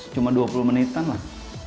cuma dua puluh menitan lah